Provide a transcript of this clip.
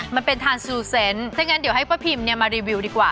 มันเป็นทานซูเซนต์ถ้างั้นเดี๋ยวให้ป้าพิมมารีวิวดีกว่า